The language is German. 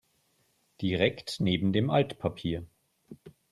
Direkt neben dem Altpapier.